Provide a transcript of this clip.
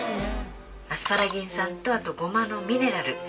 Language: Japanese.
アスパラギン酸とあとごまのミネラル。